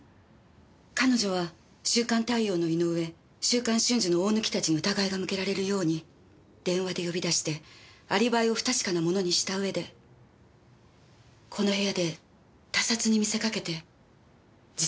彼女は『週刊太陽』の井ノ上『週刊春秋』の大貫たちに疑いが向けられるように電話で呼び出してアリバイを不確かなものにした上でこの部屋で他殺に見せかけて自殺したんです。